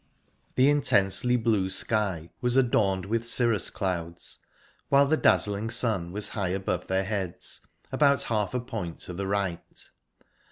The intensely blue sky was adorned with cirrus clouds, while the dazzling sun was high above their heads, about half a point to the right.